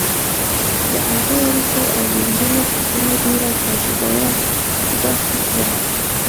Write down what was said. د هغه اړیکو او لیدنو کتنو ډېره تجربه ور په برخه کړه.